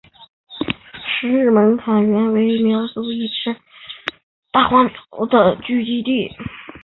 石门坎原为苗族一支大花苗的聚居地。